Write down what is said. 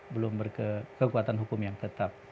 belum berkekuatan hukum yang tetap